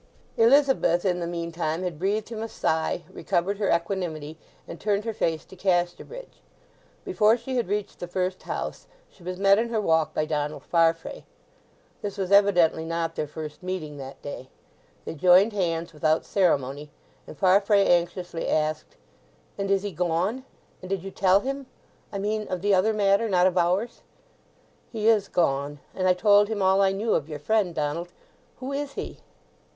Elizabeth, in the meantime, had breathed him a sigh, recovered her equanimity, and turned her face to Casterbridge. Before she had reached the first house she was met in her walk by Donald Farfrae. This was evidently not their first meeting that day; they joined hands without ceremony, and Farfrae anxiously asked, "And is he gone—and did you tell him?—I mean of the other matter—not of ours." "He is gone; and I told him all I knew of your friend. Donald, who is he?"